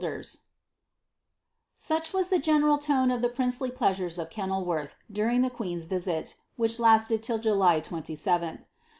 931 Such was the general tone of the princely pleasures of Kenilworth, during the queen'e risit, which lasted till July 27th.